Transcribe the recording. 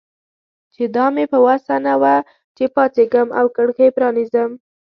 چې دا مې په وسه نه وه چې پاڅېږم او کړکۍ پرانیزم.